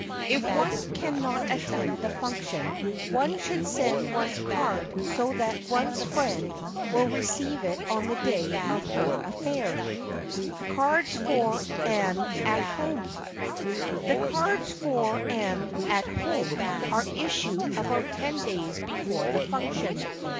If one can not attend the function, one should send one's card so that one's friend will receive it on the day of her affair. [Sidenote: CARDS FOR AN AT HOME] The cards for an "At Home" are issued about ten days before the function.